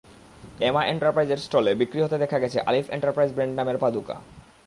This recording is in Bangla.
এমা এন্টারপ্রাইজের স্টলে বিক্রি হতে দেখা গেছে আলিফ এন্টারপ্রাইজ ব্র্যান্ড নামের পাদুকা।